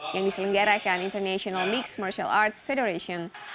yang diselenggarakan international mixed martial arts federation